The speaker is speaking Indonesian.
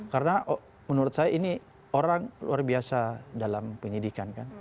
karena menurut saya ini orang luar biasa dalam penyidikan